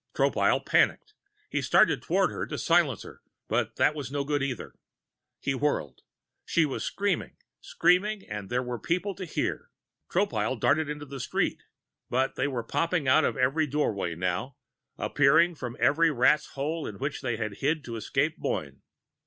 Tropile panicked. He started toward her to silence her, but that was no good, either. He whirled. She was screaming, screaming, and there were people to hear. Tropile darted into the street, but they were popping out of every doorway now, appearing from each rat's hole in which they had hid to escape Boyne.